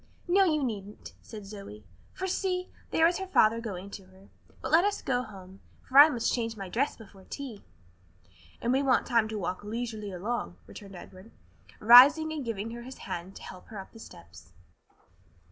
"No, you needn't," said Zoe, "for see, there is her father going to her. But let us go home, for I must change my dress before tea." "And we want time to walk leisurely along," returned Edward, rising and giving her his hand to help her up the steps.